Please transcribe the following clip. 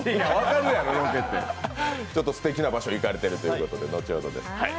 すてきな場所へ行かれてるということで、後ほど。